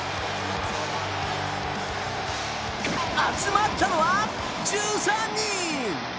集まったのは１３人！